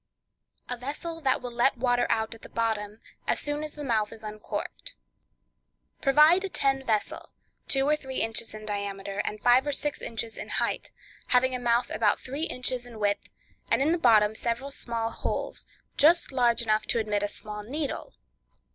A Vessel That Will Let Water Out at the Bottom, as Soon as the Mouth is Uncorked.—Provide a tin vessel, two or three inches in diameter, and five or six inches in height, having a mouth about three inches in width, and in the bottom several small holes, just large enough to admit a small needle.